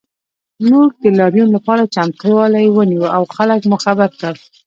موږ د لاریون لپاره چمتووالی ونیو او خلک مو خبر کړل